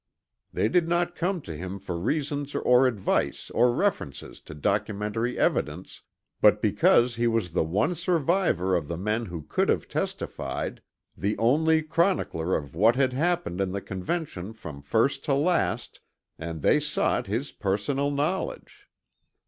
They did not come to him for reasons or advice or references to documentary evidence, but because he was the one survivor of the men who could have testified, the only chronicler of what had happened in the Convention from first to last, and they sought his personal knowledge.